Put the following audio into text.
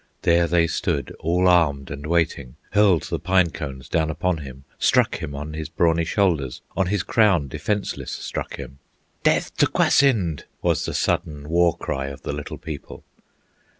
There they stood, all armed and waiting, Hurled the pine cones down upon him, Struck him on his brawny shoulders, On his crown defenceless struck him. "Death to Kwasind!" was the sudden War cry of the Little People.